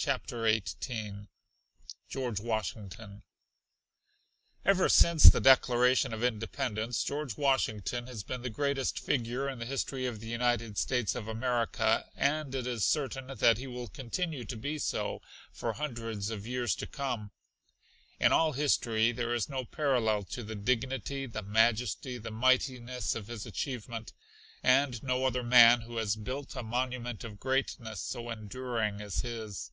CHAPTER XVIII GEORGE WASHINGTON Ever since the Declaration of Independence George Washington has been the greatest figure in the history of the United States of America, and it is certain that he will continue to be so for hundreds of years to come. In all history there is no parallel to the dignity, the majesty, the mightiness of his achievement, and no other man who has built a monument of greatness so enduring as his.